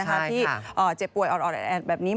ที่เจ็บป่วยอ่อนแอดแบบนี้